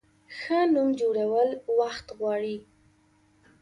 ښه نوم جوړول وخت غواړي.